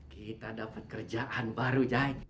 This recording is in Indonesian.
kita dapat kerjaan baru